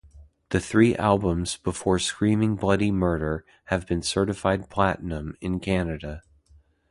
The three albums before Screaming Bloody Murder have been certified platinum in Canada.